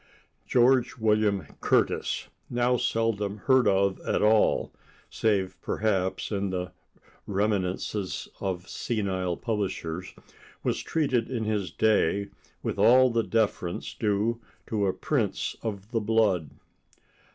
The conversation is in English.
George William Curtis, now seldom heard of at all, save perhaps in the reminiscences of senile publishers, was treated in his day with all the deference due to a prince of the blood.